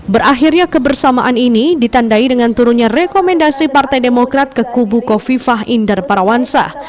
berakhirnya kebersamaan ini ditandai dengan turunnya rekomendasi partai demokrat ke kubu kofifah indar parawansa